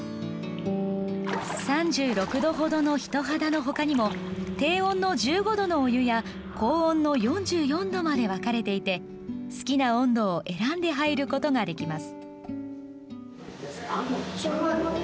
３６度程の人肌の他にも低温の１５度のお湯や高温の４４度まで分かれていて好きな温度を選んで入ることができます。